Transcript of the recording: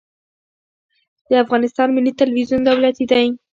د افغانستان ملي تلویزیون دولتي دی